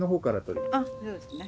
あそうですね。